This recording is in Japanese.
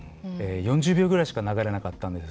４０秒ぐらいしか流れなかったんです